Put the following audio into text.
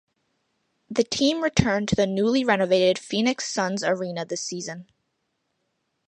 The team returned to the newly renovated Phoenix Suns Arena this season.